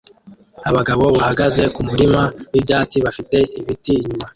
Abagabo bahagaze kumurima wibyatsi bafite ibiti inyuma